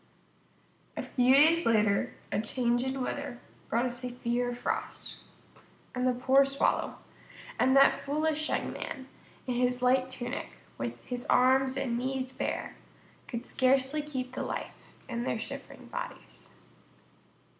A few days later a change in weather brought a severe frost; and the poor swallow and that foolish young man in his light tunic, and with his arms and knees bare, could scarcely keep life in their shivering bodies.